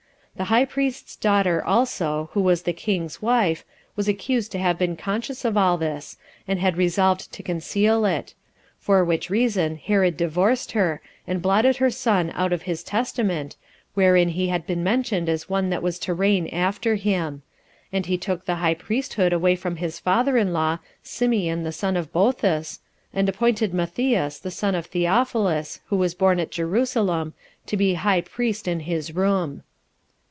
The high priest's daughter also, who was the king's wife, was accused to have been conscious of all this, and had resolved to conceal it; for which reason Herod divorced her, and blotted her son out of his testament, wherein he had been mentioned as one that was to reign after him; and he took the high priesthood away from his father in law, Simeon the son of Boethus, and appointed Matthias the son of Theophilus, who was born at Jerusalem, to be high priest in his room.